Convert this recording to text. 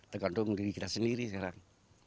tergantung diri kita sendiri sekarang